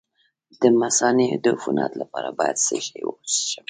د مثانې د عفونت لپاره باید څه شی وڅښم؟